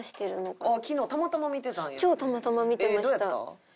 超たまたま見てました。